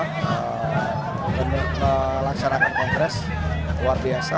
kita akan melaksanakan kongres luar biasa